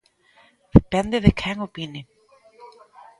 Depende de quen opine.